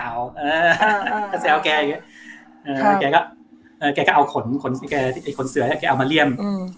ถ้าแสวแกแกก็เอาขนเสือยแบบนี้เอามาเลี่ยง